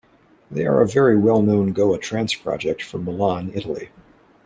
They are a very well known Goa trance project from Milan Italy.